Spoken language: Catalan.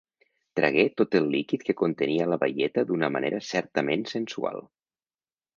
Tragué tot el líquid que contenia la baieta d'una manera certament sensual.